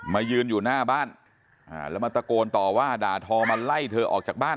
ยืนอยู่หน้าบ้านแล้วมาตะโกนต่อว่าด่าทอมาไล่เธอออกจากบ้าน